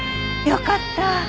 よかった！